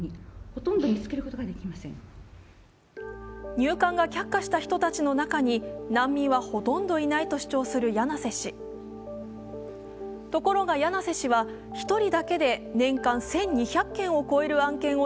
入館が却下した人の中に難民はほとんどいないと主張する柳瀬氏、ところが柳瀬氏は、１人だけで年間１２００件を超える案件を